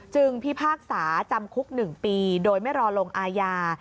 พิพากษาจำคุก๑ปีโดยไม่รอลงอาญา